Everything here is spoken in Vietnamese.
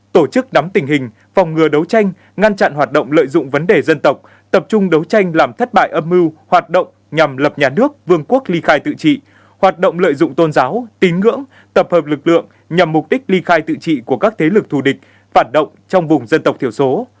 tổ chức đám tình hình phòng ngừa đấu tranh ngăn chặn hoạt động lợi dụng vấn đề dân tộc tập trung đấu tranh làm thất bại âm mưu hoạt động nhằm lập nhà nước vương quốc ly khai tự trị hoạt động lợi dụng tôn giáo tín ngưỡng tập hợp lực lượng nhằm mục đích ly khai tự trị của các thế lực thù địch phản động trong vùng dân tộc thiểu số